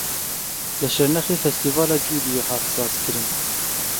Li Şirnexê Festîvala Cudiyê hat sazkirin.